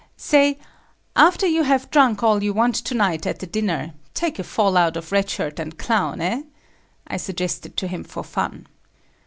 "Say, after you have drunk all you want to night at the dinner, take a fall out of Red Shirt and Clown, eh?" I suggested to him for fun.